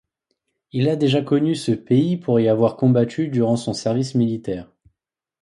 Il a déjà connu ce pays pour y avoir combattu durant son service militaire.